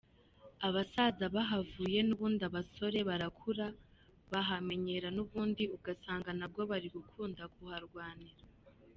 Abasaza bahavuye n’ubundi abasore barakura, bahamenyera n’ubundi ugasanga nabwo bari gukunda kuharwanira.